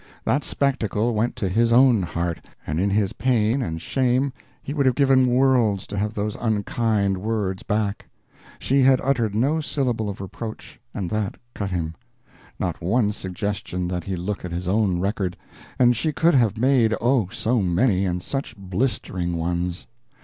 That spectacle went to his own heart, and in his pain and shame he would have given worlds to have those unkind words back. She had uttered no syllable of reproach and that cut him. Not one suggestion that he look at his own record and she could have made, oh, so many, and such blistering ones!